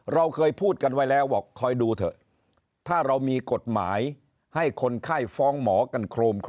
เราเคยพูดกันไว้แล้วบอกคอยดูเถอะถ้าเรามีกฎหมายให้คนไข้ฟ้องหมอกันโครม